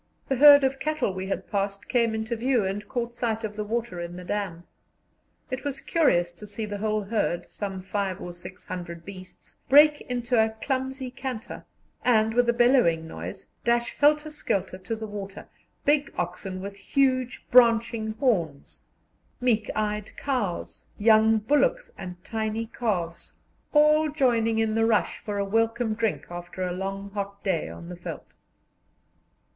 The herd of cattle we had passed came into view, and caught sight of the water in the dam. It was curious to see the whole herd, some five or six hundred beasts, break into a clumsy canter, and, with a bellowing noise, dash helter skelter to the water big oxen with huge branching horns, meek eyed cows, young bullocks, and tiny calves, all joining in the rush for a welcome drink after a long hot day on the veldt.